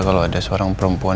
kalau ada seorang perempuan